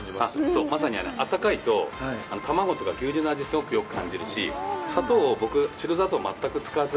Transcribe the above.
そう、まさに温かいと卵とか牛乳の味、よく感じるし砂糖を僕、白砂糖を全く使わず